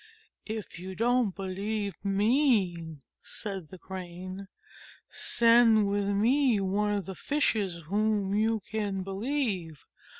"If you don't believe me," said the Crane, "send with me one of the Fishes whom you can believe.